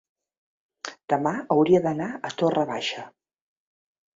Demà hauria d'anar a Torre Baixa.